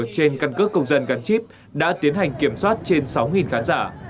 trên căn cước công dân gắn chip đã tiến hành kiểm soát trên sáu khán giả